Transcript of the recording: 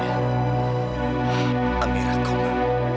ibu yang koma